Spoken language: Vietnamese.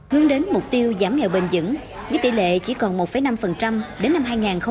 hướng đến mục tiêu giảm nghèo bền dững với tỷ lệ chỉ còn một năm đến năm hai nghìn hai mươi